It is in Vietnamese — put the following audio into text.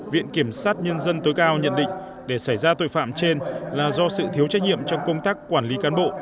viện kiểm sát nhân dân tối cao nhận định để xảy ra tội phạm trên là do sự thiếu trách nhiệm trong công tác quản lý cán bộ